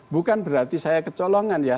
bukan berarti saya kecolongan ya